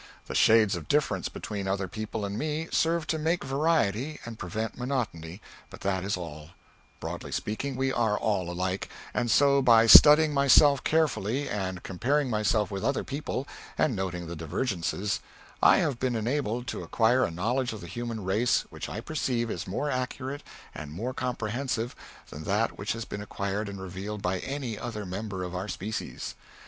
The shades of difference between other people and me serve to make variety and prevent monotony, but that is all; broadly speaking, we are all alike; and so by studying myself carefully and comparing myself with other people, and noting the divergences, I have been enabled to acquire a knowledge of the human race which I perceive is more accurate and more comprehensive than that which has been acquired and revealed by any other member of our species.